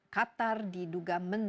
qatar diduga mendatangkan